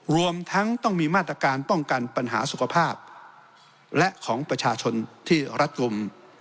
รวมทั้งต้องมีมาตรการป้องกันปัญหาสุขภาพและของประชาชนที่รัดกลุ่ม